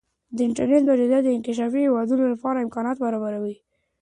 د انټرنیټ موجودیت د انکشافي هیوادونو لپاره امکانات برابروي.